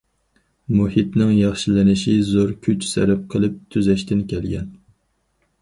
مۇھىتنىڭ ياخشىلىنىشى زور كۈچ سەرپ قىلىپ تۈزەشتىن كەلگەن.